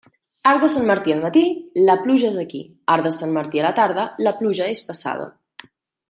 Arc de Sant Martí al matí, la pluja és aquí; arc de Sant Martí a la tarda, la pluja és passada.